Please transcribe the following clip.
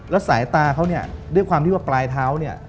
แล้วสายตาเขาเนี่ยด้วยความที่ว่าปลายเท้าเนี่ย